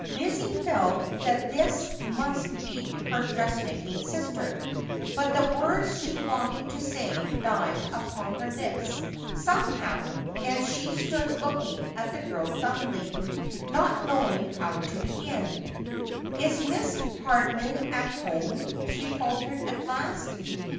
Iii the Losom of her Family. 523 Lizzie felt that this must be her dressmaking sister, but the words she wanted to say died upon her lips somehow, and she stood looking at the girl dumbly, not knowing how to begin. ' Is Mrs. J lai'dman at home I,' she faltered at last.